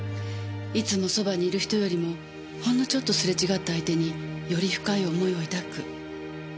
いつもそばにいる人よりもほんのちょっとすれ違った相手により深い思いを抱く。